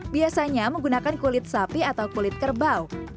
biasanya menggunakan kulit sapi atau kulit kerbau